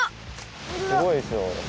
すごいですよフフ。